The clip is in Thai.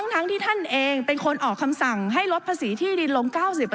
ทั้งที่ท่านเองเป็นคนออกคำสั่งให้ลดภาษีที่ดินลง๙๐